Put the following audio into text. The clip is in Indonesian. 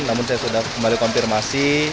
namun saya sudah kembali konfirmasi